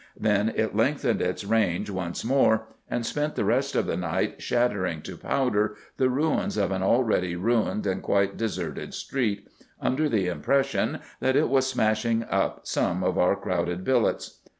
Then it lengthened its range once more, and spent the rest of the night shattering to powder the ruins of an already ruined and quite deserted street, under the impression that it was smashing up some of our crowded billets.